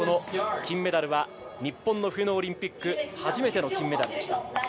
日本の冬のオリンピック初めての金メダルでした。